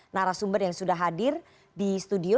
narasumber yang sudah hadir di studio